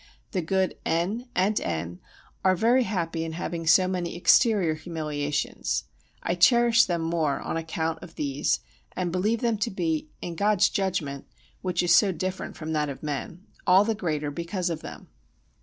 The good N. and N. are very happy in having so many exterior humiliations. I cherish them more on account of these, and believe them to be, in God's judgement, which is so different from that of men, all the greater because of them.